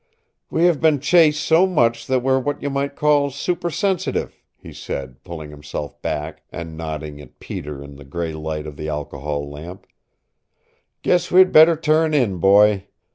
"We have been chased so much that we're what you might call super sensitive," he said, pulling himself back and nodding at Peter in the gray light of the alcohol lamp. "Guess we'd better turn in, boy.